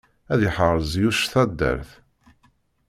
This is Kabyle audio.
Ad yeḥrez Yuc taddart!